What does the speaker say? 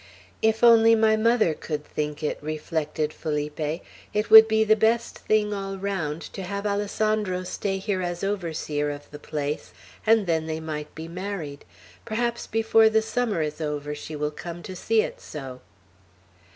"If only my mother could think it," reflected Felipe, "it would be the best thing, all round, to have Alessandro stay here as overseer of the place, and then they might be married. Perhaps before the summer is over she will come to see it so."